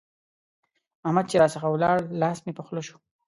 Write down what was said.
احمد چې راڅخه ولاړ؛ لاس مې په خوله شو.